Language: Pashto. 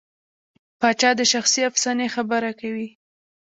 پاچا د شخصي افسانې خبره کوي.